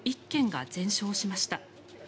１軒が全焼しました。